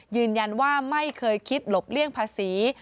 ยืนยันว่าไม่เคยคิดหลบเลี่ยงภาษี